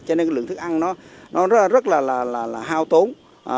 cho nên cái lượng thức ăn nó rất là hao tốn